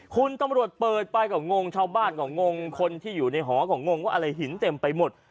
คุณตำรวจเปิดไปก็งงชาวบ้านก็งงคนที่อยู่ในหอก็งงว่าอะไรหินเต็มไปหมด